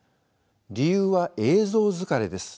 理由は映像疲れです。